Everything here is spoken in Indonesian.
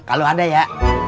kalau ada ya